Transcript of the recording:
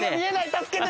助けて！